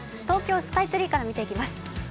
東京スカイツリーから見ていきます。